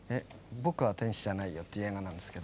「僕は天使ぢゃないよ」っていう映画なんですけど。